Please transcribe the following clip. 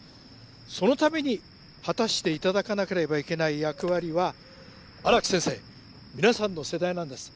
そのために果たして頂かなければいけない役割は荒木先生皆さんの世代なんです。